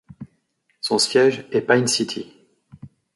Son siège est Pine City.